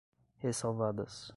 ressalvadas